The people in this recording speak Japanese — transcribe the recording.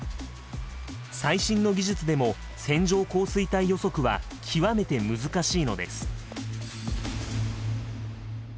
最新の技術でも線状降水帯予測は極めて難しいのです。